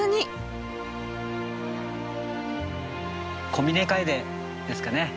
コミネカエデですかね。